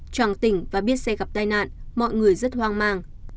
tròn tỉnh và biết xe gặp tai nạn mọi người rất hoang mang